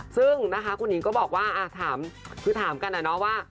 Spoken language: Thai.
ซึ่งนะคะคุณหญิงก็บอกว่าคือถามกันอะเนาะว่า